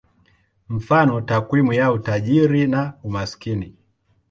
Mfano: takwimu ya utajiri na umaskini.